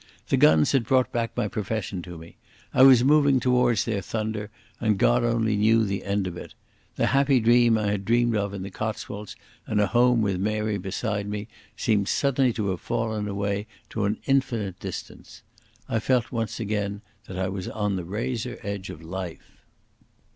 The guns had brought back my profession to me, I was moving towards their thunder, and God only knew the end of it. The happy dream I had dreamed of the Cotswolds and a home with Mary beside me seemed suddenly to have fallen away to an infinite distance. I felt once again that I was on the razor edge of life.